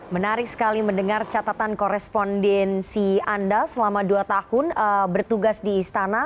menarik sekali mendengar catatan korespondensi anda selama dua tahun bertugas di istana